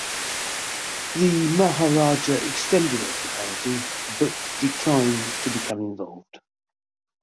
The Maharaja extended hospitality but declined to become involved.